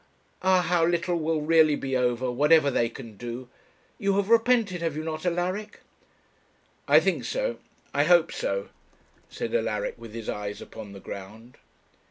Ah, how little will really be over, whatever they can do! You have repented, have you not, Alaric?' 'I think so, I hope so,' said Alaric, with his eyes upon the ground.